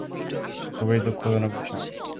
খুবই দুঃখজনক বিষয়!